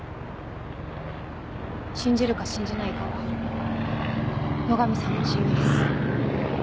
信じるか信じないかは野上さんの自由です。